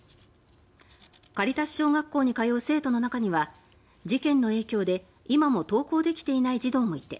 カリタス小学校に通う生徒の中には事件の影響で今も登校できていない児童もいて